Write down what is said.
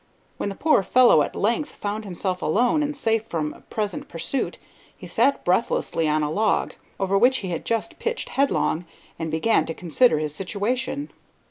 When the poor fellow at length found himself alone and safe from present pursuit, he sat breathlessly on a log, over which he had just pitched headlong, and began to consider his situation.